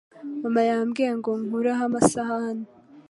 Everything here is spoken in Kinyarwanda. Mama yambwiye ngo nkureho amasahani.